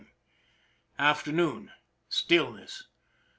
Afternoon. Stillness.